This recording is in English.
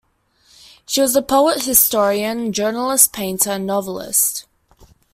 She was a poet, historian, journalist, painter and novelist.